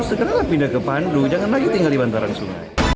segeralah pindah ke pandu jangan lagi tinggal di bantaran sungai